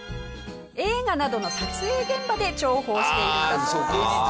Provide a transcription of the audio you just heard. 映画などの撮影現場で重宝しているんだそうです。